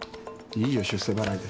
いいよ出世払いで。